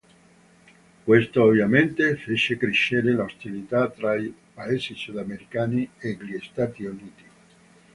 Questo ovviamente fece crescere le ostilità tra i paesi sudamericani e gli Stati Uniti.